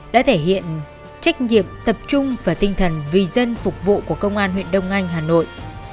đã thể hiện trách nhiệm tập trung và tinh thần vì dân phục vụ của công an huyện đông anh hà nội